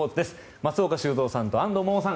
松岡修造さんと安藤萌々さん